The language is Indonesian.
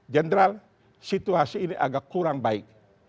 jenderal situasi ini agak kurang baik